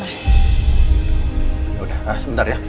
yaudah sebentar ya